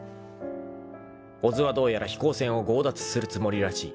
［小津はどうやら飛行船を強奪するつもりらしい］